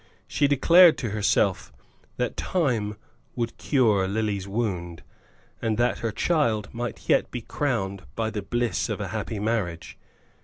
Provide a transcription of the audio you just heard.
She declared to herself that time would cure Lily's wound, and that her child might yet be crowned by the bliss of a happy marriage.